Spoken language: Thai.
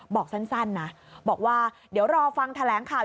บอกสั้นนะบอกว่าเดี๋ยวรอฟังแถลงข่าว